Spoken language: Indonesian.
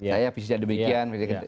saya visi ada demikian